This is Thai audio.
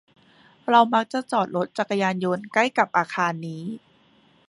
เรามักจอดรถจักรยานยนต์ใกล้กับอาคารนี้